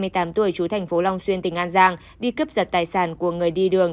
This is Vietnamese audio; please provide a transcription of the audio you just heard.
hai mươi tám tuổi chú thành phố long xuyên tỉnh an giang đi cướp giật tài sản của người đi đường